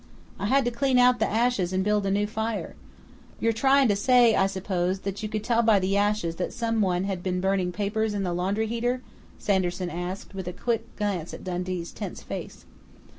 I had to clean out the ashes and build a new fire " "You're trying to say, I suppose, that you could tell by the ashes that someone had been burning papers in the laundry heater?" Sanderson asked, with a quick glance at Dundee's tense face.